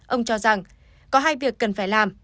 ông cho rằng có hai việc cần phải làm